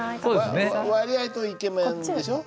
割合とイケメンでしょ？